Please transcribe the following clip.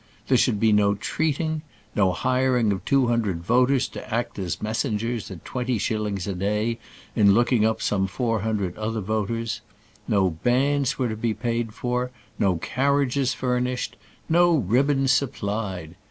There should be no treating; no hiring of two hundred voters to act as messengers at twenty shillings a day in looking up some four hundred other voters; no bands were to be paid for; no carriages furnished; no ribbons supplied.